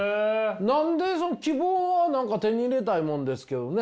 何で希望は手に入れたいものですけどね。